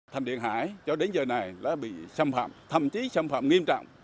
thành điện hải cho đến giờ này đã bị xâm phạm thậm chí xâm phạm nghiêm trọng